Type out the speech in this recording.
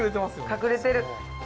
隠れてる。